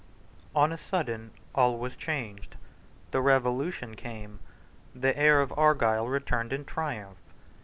On a sudden all was changed. The Revolution came. The heir of Argyle returned in triumph.